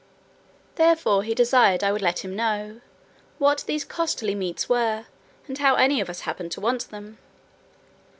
Therefore he desired I would let him know, "what these costly meats were, and how any of us happened to want them?"